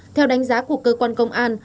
theo đánh giá của cơ quan công an